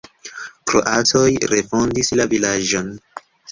Kroatoj refondis la vilaĝon.